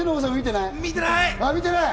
見てない。